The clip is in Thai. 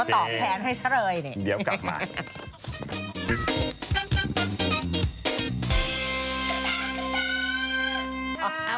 พี่ชอบแซงไหลทางอะเนาะ